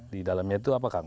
di dalamnya itu apa kang